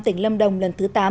tỉnh lâm đồng lần thứ tám